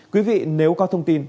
quý vị nếu có thông tin